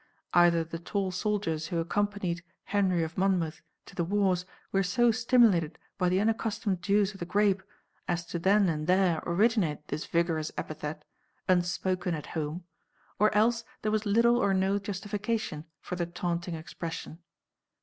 Either the tall soldiers who accompanied Henry of Monmouth to the wars were so stimulated by the unaccustomed juice of the grape as to then and there originate this vigorous epithet, unspoken at home, or else there was little or no justification for the taunting expression.